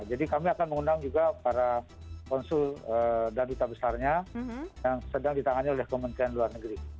kami akan mengundang juga para konsul dan duta besarnya yang sedang ditangani oleh kementerian luar negeri